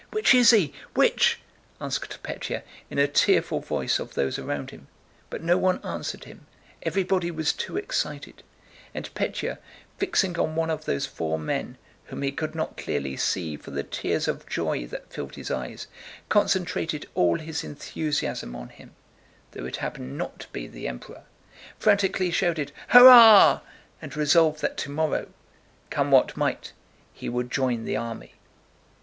"Which is he? Which?" asked Pétya in a tearful voice, of those around him, but no one answered him, everybody was too excited; and Pétya, fixing on one of those four men, whom he could not clearly see for the tears of joy that filled his eyes, concentrated all his enthusiasm on him—though it happened not to be the Emperor—frantically shouted "Hurrah!" and resolved that tomorrow, come what might, he would join the army.